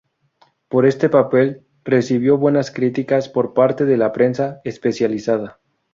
Por este papel recibió buenas críticas por parte de la prensa especializada.